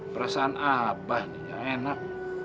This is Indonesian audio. perasaan abah nih enak